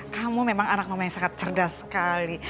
kamu memang anak mama yang sangat cerdas sekali